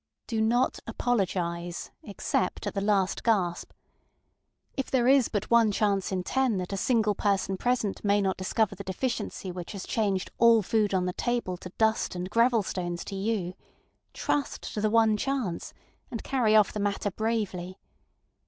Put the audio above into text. Do not apologize except at the last gasp! If there is but one chance in ten that a single person present may not discover the deficiency which has changed all food on the table to dust and gravel stones to you, trust to the one chance, and carry off the matter bravely.